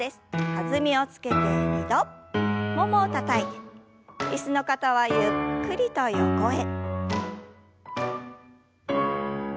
弾みをつけて２度ももをたたいて椅子の方はゆっくりと横へ。